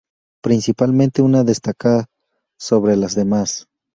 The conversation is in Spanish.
Principalmente una destaca sobre las demás.